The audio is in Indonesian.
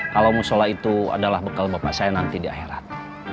kalo mau sholat itu adalah bekal bapak saya nanti di akhirat